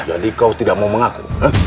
jadi kau tidak mau mengaku